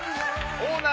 オーナー。